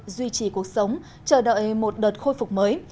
duy trì cuộc sống chờ đợi một đợt khôi phục mới